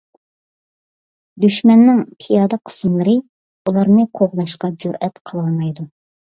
دۈشمەننىڭ پىيادە قىسىملىرى ئۇلارنى قوغلاشقا جۈرئەت قىلالمايدۇ.